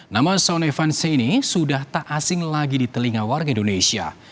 nama sone evansi ini sudah tak asing lagi di telinga warga indonesia